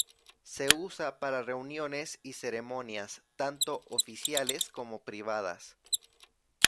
Se usa para reuniones y ceremonias, tanto oficiales como privadas.